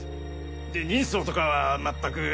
で人相とかは全く？